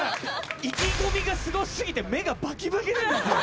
意気込みがスゴすぎて目がバキバキなんですよ。